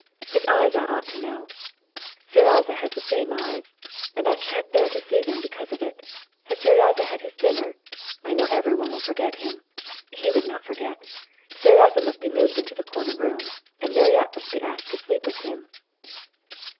His eyes I ought to know—Seryozha has just the same eyes—and I can't bear to see them because of it. Has Seryozha had his dinner? I know everyone will forget him. He would not forget. Seryozha must be moved into the corner room, and Mariette must be asked to sleep with him."